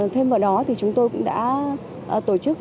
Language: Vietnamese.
thêm vào đó chúng tôi cũng đã tổ chức